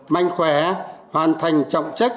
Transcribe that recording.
mạnh khỏe hoàn thành trọng trách